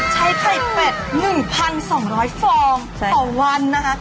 ใช้ไข่เป็ด๑๒๐๐ฟองต่อวันนะคะ